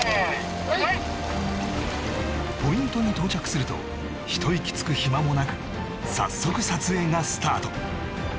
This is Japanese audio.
いはいポイントに到着するとひと息つく暇もなく早速撮影がスタート